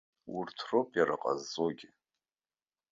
Урҭ роуп иара ҟазҵогьы.